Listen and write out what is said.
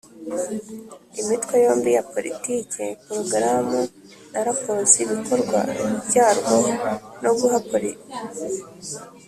imitwe yombi ya politike porogaramu na raporo z'ibikorwa byarwo no guha kopi izindi nzego za leta;